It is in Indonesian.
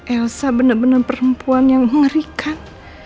elsa benar benar perempuan yang mengerikan